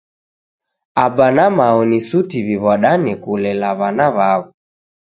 Aba na mao ni suti w'iw'adane kulela w'ana w'aw'o.